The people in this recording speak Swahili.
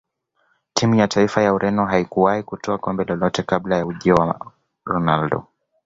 timu ya taifa ya ureno haikuwahi kutwaa kombe lolote kabla ya ujio wa ronaldo